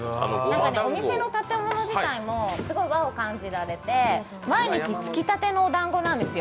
お店の建物自体も和を感じられて毎日つきたてのおだんごなんですよ。